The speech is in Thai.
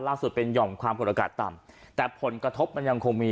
ล่าสุดเป็นหย่อมความกดอากาศต่ำแต่ผลกระทบมันยังคงมี